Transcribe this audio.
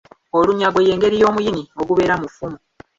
Olunyago y’engeri y’omuyini ogubeera mu ffumu.